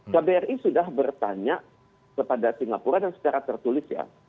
kbri sudah bertanya kepada singapura dan secara tertulis ya